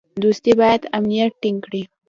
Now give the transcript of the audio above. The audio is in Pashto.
دوستي باید امنیت ټینګ کړي.